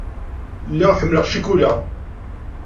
Lliɣ ḥemmleɣ ccikula.